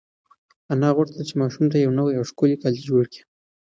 انا غوښتل چې ماشوم ته یو نوی او ښکلی کالي جوړ کړي.